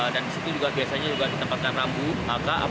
dan disitu juga biasanya ditempatkan rambu